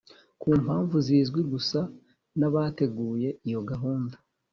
ku mpamvu zizwi gusa n'abateguye iyo gahunda.